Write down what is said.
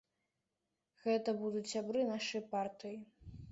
Гэта будуць сябры нашай партыі.